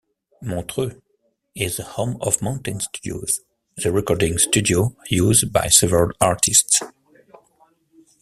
Montreux is the home of Mountain Studios, the recording studio used by several artists.